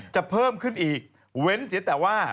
เพิ่มขึ้นอีกเว้นเสียแต่ว่า